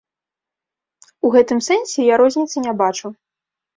У гэтым сэнсе я розніцы не бачу.